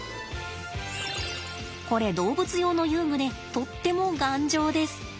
これ動物用の遊具でとっても頑丈です。